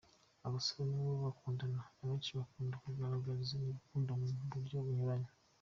Abasore n’inkumi bakundana, abenshi bakunda kugaragarizanya urukundo mu buryo bunyuranye.